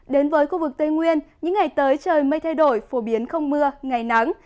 đến với khu vực tây nguyên những ngày tới trời mây thay đổi phổ biến không mưa ngày nắng